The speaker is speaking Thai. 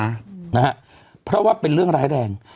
นะฮะเพราะว่าเป็นเรื่องร้ายแรง